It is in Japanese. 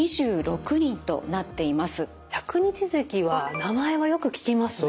百日ぜきは名前はよく聞きますね。